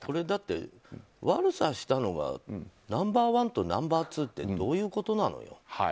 だって、悪さしたのがナンバー１とナンバー２ってどういうことなのよ。